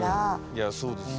いやそうですよ。